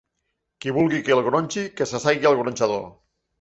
Qui vulgui que el gronxi, que s'assegui al gronxador.